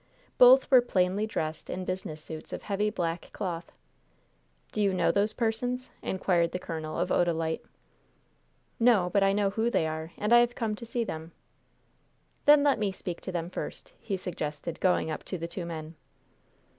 Both were plainly dressed in business suits of heavy, black cloth. "Do you know those persons?" inquired the colonel of Odalite. "No, but I know who they are, and I have come to see them." "Then let me speak to them first," he suggested, going up to the two men.